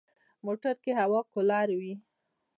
موټر کې هوا کولر وي.